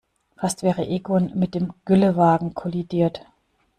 Fast wäre Egon mit dem Güllewagen kollidiert.